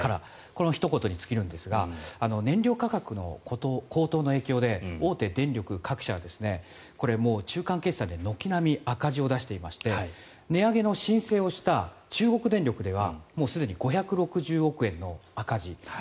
このひと言に尽きるんですが燃料価格の高騰の影響で大手電力各社は、中間決算で軒並み赤字を出していまして値上げの申請をした中国電力ではもうすでに５６０億円の赤字。